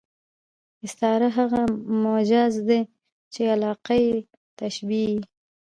استعاره هغه مجاز دئ، چي علاقه ئې تشبېه يي.